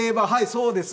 そうですね。